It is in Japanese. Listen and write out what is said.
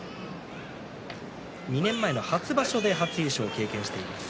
２年前の初場所で初優勝を経験しています